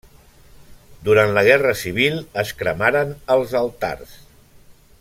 Durant la guerra civil es cremaren els altars.